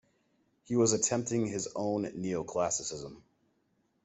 He was attempting his own neo-classicism.